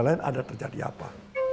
lain ada terjadi apa